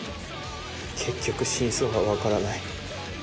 結局真相は分からない。